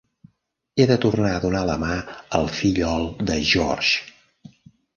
He de tornar a donar la mà al fillol de George.